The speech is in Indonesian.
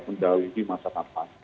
menjalani masa tanpa